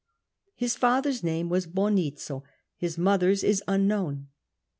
His father's name was Bonizo; his mother's is unknown.